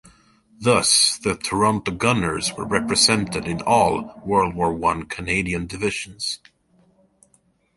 Thus the Toronto gunners were represented in all World War One Canadian divisions.